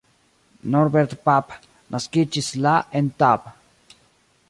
Norbert Pap naskiĝis la en Tab.